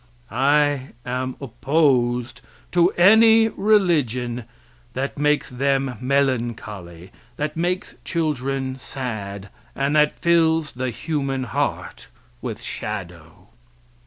I am opposed to any religion that makes them melancholy, that makes children sad, and that fills the human heart with shadow.